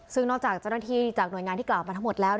ซึ่งนอกจากเจ้าหน้าที่จากหน่วยงานที่กล่าวมาทั้งหมดแล้ว